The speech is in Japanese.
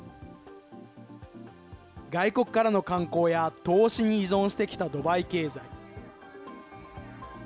外国からの観光や、投資に依存してきたドバイ経済。